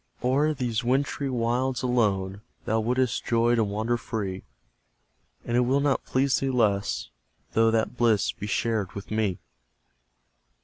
O'er these wintry wilds, ALONE, Thou wouldst joy to wander free; And it will not please thee less, Though that bliss be shared with me.